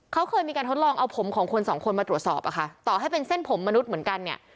เขาเคยมีการทดลองเอาผมของคนสองคนมาตรวจสอบอะค่ะต่อให้เป็นเส้นผมมนุษย์เหมือนกันเนี่ย